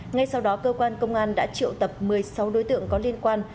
ngay sau đó cơ quan công an đã triệu tập một mươi sáu đối tượng có liên quan